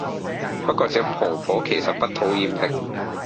不過這婆婆其實不討厭的